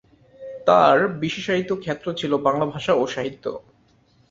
তাঁর বিশেষায়িত ক্ষেত্র ছিল বাংলা ভাষা ও সাহিত্য।